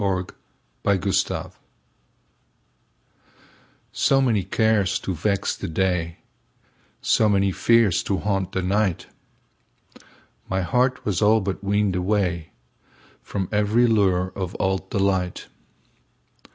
Summer Magic SO many cares to vex the day, So many fears to haunt the night, My heart was all but weaned awayFrom every lure of old delight.